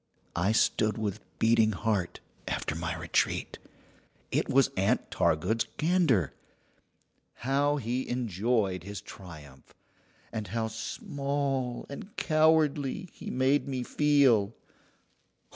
I stood with beating heart, after my retreat. It was Aunt Targood's gander. How he enjoyed his triumph, and how small and cowardly he made me feel!